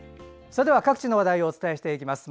それでは各地の話題をお伝えしていきます。